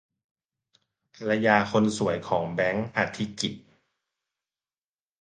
ภรรยาคนสวยของ แบงค์ อธิกิตติ์